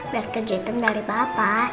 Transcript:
biar kejutan dari bapak